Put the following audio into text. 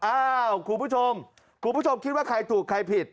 อ้าวคุณผู้ชมคุณผู้ชมคิดว่าใครถูกใครผิด